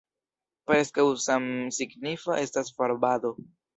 Preskaŭ samsignifa estas varbado.